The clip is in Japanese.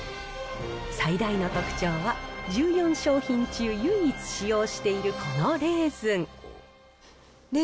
最大の特徴は、１４商品中唯一使用しているこのレーズン。